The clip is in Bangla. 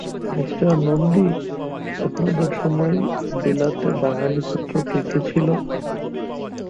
মিস্টার নন্দী, আপনাদের সময় বিলাতে বাঙালি ছাত্র কে কে ছিল।